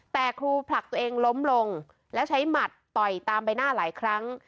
แต่ครูผลักตัวเองล้มลงแล้วใช้หมัดต่อยตามใบหน้าหลายครั้ง